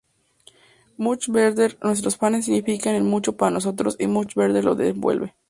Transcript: Much Better: "Nuestros fanes significan el mundo para nosotros y "Much Better" lo devuelve.